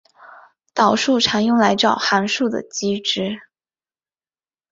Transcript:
导数常用来找函数的极值。